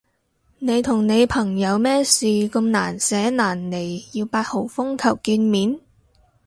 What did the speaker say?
你同你朋友咩事咁難捨難離要八號風球見面？